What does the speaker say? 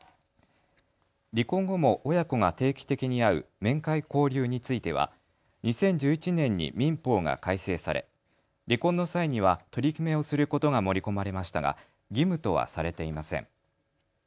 離婚後も親子が定期的に会う面会交流については２０１１年に民法が改正され離婚の際には取り決めをすることが盛り込まれましたが義務とはされていません。